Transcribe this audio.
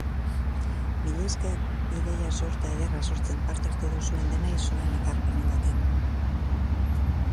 Milesker ideia sorta ederra sortzen parte hartu duzuen denei zuen ekarpenengatik!